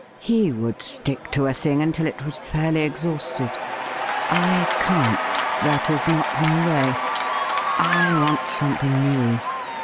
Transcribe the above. He would stick to a thing until it was fairly ex hausted. I can't ; that is not my way. I want something new.